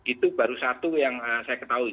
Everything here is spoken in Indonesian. itu baru satu yang saya ketahui